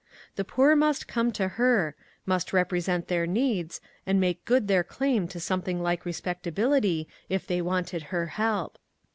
The poor must come to her, must represent their needs, and make good their claim to something like respect ability if they wanted her help.